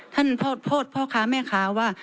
ท่านโทษพ่อค้าแม่ค้าว่า